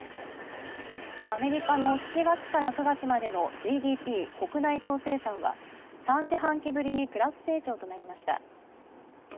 アメリカの７月から９月までのＧＤＰ＝国内総生産は３四半期ぶりにプラス成長となりました。